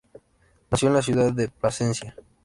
Nació en la ciudad de Plasencia.